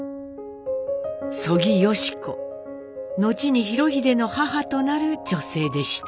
後に裕英の母となる女性でした。